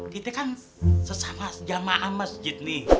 kita kan sesama jamaah masjid nih